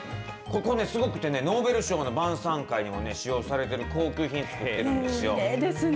ここね、すごくてね、ノーベル賞の晩さん会にも使用されてる高級品作ってるんですよ。